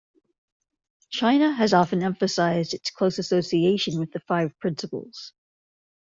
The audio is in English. China has often emphasized its close association with the Five Principles.